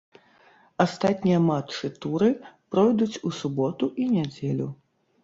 Астатнія матчы туры пройдуць у суботу і нядзелю.